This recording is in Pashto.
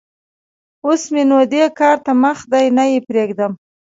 اوس م ېنو دې کار ته مخ دی؛ نه يې پرېږدم.